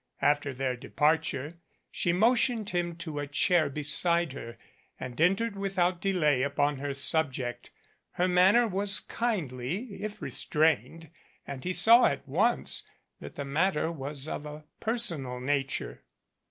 After their de parture, she motioned him to a chair beside her and en tered without delay upon her subject. Her manner was kindly, if restrained, and he saw at once that the matter was of a personal nature.